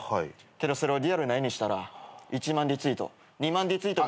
けどそれをリアルな絵にしたら１万リツイート２万リツイートにも。